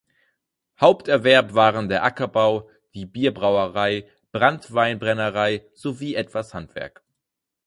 Haupterwerb waren der Ackerbau, die Bierbrauerei, Branntweinbrennerei sowie etwas Handwerk.